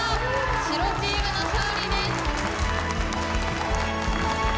白チームの勝利です。